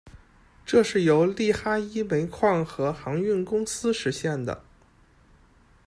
这是由“利哈伊煤矿和航运公司”实现的。